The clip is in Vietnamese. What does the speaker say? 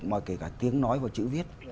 mà kể cả tiếng nói và chữ viết